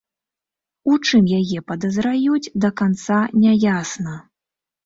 У чым яе падазраюць, да канца не ясна.